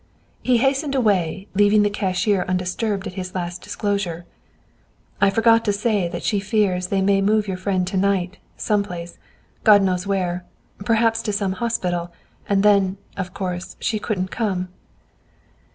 He hastened away, leaving the cashier disturbed at his last disclosure. "I forgot to say that she fears they may move your friend to night, some place, God knows where: perhaps to some hospital, and then, of course, she couldn't come."